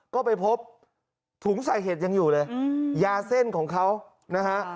ก็ไปพบถุงใส่เห็ดยังอยู่เลยยาเส้นของเขานะฮะ